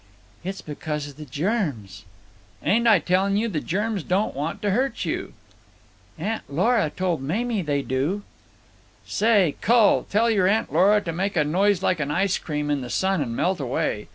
"It's because of the germs." "Ain't I telling you the germs don't want to hurt you?" "Aunt Lora told Mamie they do." "Say, cull, you tell your Aunt Lora to make a noise like an ice cream in the sun and melt away.